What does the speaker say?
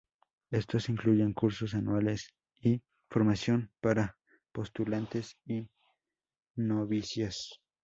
Estos incluyen cursos anuales de formación para postulantes y novicias.